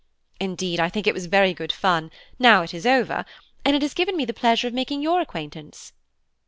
Indeed, I think it was very good fun, now it is over, and it has given me the pleasure of making your acquaintance."